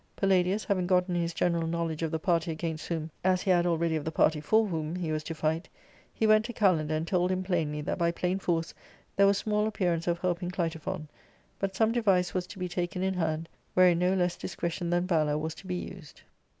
Palladius having gotten his general knowledge of the y party against whom, as he had already of the party for whom, he was to fight, he went to Kalander, and told him plainly that by plain force there was small appearance of helping Clitophon ; but some device was to be taken in hand, wherein no less discretion than valour was to be used.